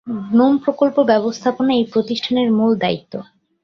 GNOME প্রকল্প ব্যবস্থাপনা এই প্রতিষ্ঠানের মূল দায়িত্ব।